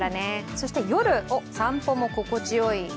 そして夜、散歩も心地よい。